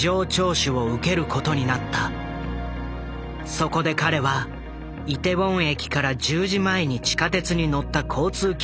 そこで彼はイテウォン駅から１０時前に地下鉄に乗った交通記録を提出。